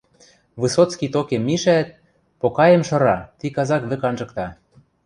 Высоцкий токем мишӓт, покаэм шыра, ти казак вӹк анжыкта.